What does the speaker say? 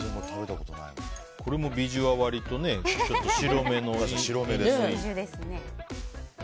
これもビジュは割と白めのね。